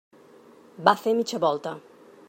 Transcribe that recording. Va fer mitja volta.